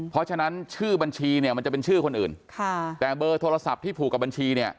เพราะฉะนั้นชื่อบัญชีเนี่ยมันจะเป็นชื่อคนอื่นค่ะแต่เบอร์โทรศัพท์ที่ผูกกับบัญชีเนี่ย